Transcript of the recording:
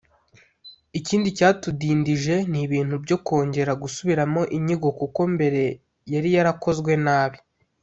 ikindi cyatudindije ni ibintu byo kongera gusubiramo inyigo kuko mbere yari yarakozwe nabi